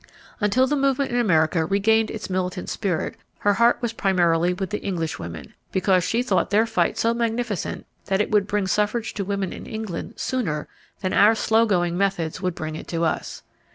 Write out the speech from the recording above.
Until the movement in America regained its militant spirit, her heart was primarily with the English women, because she thought their fight so magnificent that it would bring suffrage to women in England sooner than our slow going methods would bring it to us.